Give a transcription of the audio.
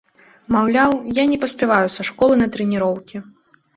Маўляў, я не паспяваю са школы на трэніроўкі.